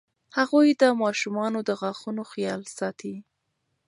هغوی د ماشومانو د غاښونو خیال ساتي.